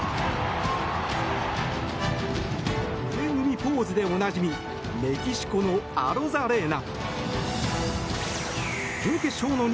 腕組みポーズでおなじみメキシコのアロザレーナ。